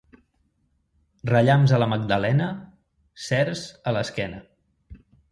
Rellamps a la Magdalena, cerç a l'esquena.